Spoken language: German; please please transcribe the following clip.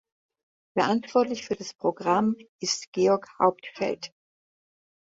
Verantwortlich für das Programm ist Georg Hauptfeld.